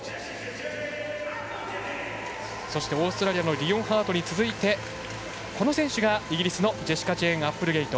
オーストラリアのリオンハートに続いてこの選手がイギリスのジェシカジェーン・アップルゲイト。